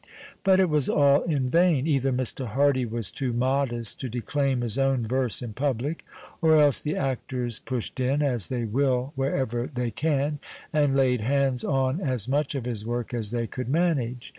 But it was all in vain. Eitiier Mr. Hardy was too modest to declaim his own verse in public, or else the actors pushed in, as they will wherever they can, and laid hands on as much of his work as they could manage.